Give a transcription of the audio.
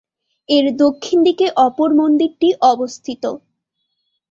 এর দক্ষিণ দিকে অপর মন্দিরটি অবস্থিত।